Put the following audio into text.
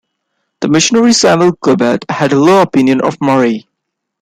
The missionary Samuel Gobat had a low opinion of Marye.